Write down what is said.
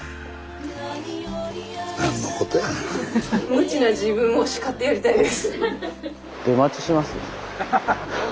無知な自分を叱ってやりたいです。